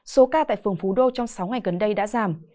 số ca tại phường phú đô trong sáu ngày gần đây đã giảm